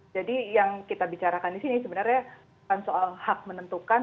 jadi yang kita bicarakan di sini sebenarnya bukan soal hak menentukan